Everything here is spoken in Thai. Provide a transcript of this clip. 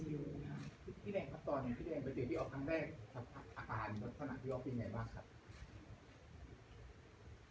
พี่แม่งครับตอนนี้พี่แม่งเวลาที่ออกครั้งแรกอ่ะอาการขนาดที่ออกเป็นไงบ้างครับ